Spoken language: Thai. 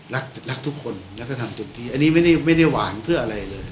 รักทุกคนแล้วก็ทำเต็มที่อันนี้ไม่ได้หวานเพื่ออะไรเลย